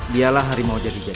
dialah harimau jadi jadi